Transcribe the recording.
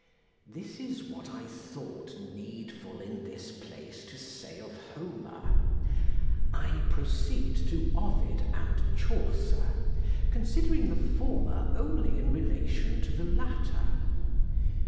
This is what I thought needful in this place to say of Homer. I proceed to Ovid and Chaucer, considering the former only in relation to the latter.